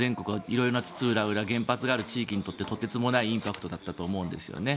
色々津々浦々原発がある地域にとってとてつもないインパクトだったと思うんですね。